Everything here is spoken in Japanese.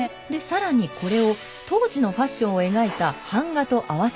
更にこれを当時のファッションを描いた版画と合わせますと。